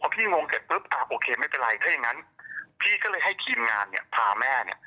พี่งงเสร็จปุ๊บอ่าโอเคไม่เป็นไรถ้าอย่างงั้นพี่ก็เลยให้ทีมงานเนี่ยพาแม่เนี่ย